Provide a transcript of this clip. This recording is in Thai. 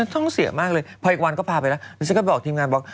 ท่องเสียมากเลยพออีกวันก็พาไปแล้วดิฉันก็บอกทีมงานบอก